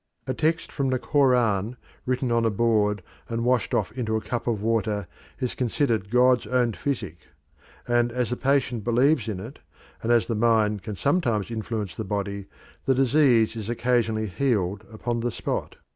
A text from the Koran written on a board and washed off into a cup of water is considered God's own physic; and as the patient believes in it, and as the mind can sometimes influence the body, the disease is occasionally healed upon the spot.